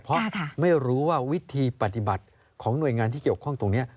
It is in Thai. เพราะไม่รู้ว่าวิธีปฏิบัติของหน่วยงานที่เกี่ยวข้องตรงนี้